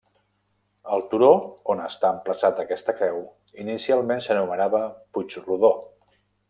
El turó on està emplaçada aquesta creu, inicialment s'anomenava Puig Rodó.